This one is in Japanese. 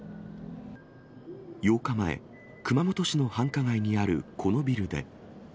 ８日前、熊本市の繁華街にあるこのビルで。